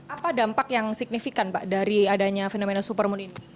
apa dampak yang signifikan pak dari adanya fenomena supermoon ini